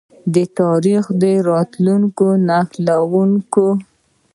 د تاریخ او راتلونکي نښلونکی.